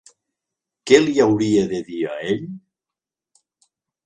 Què li hauria de dir a ell?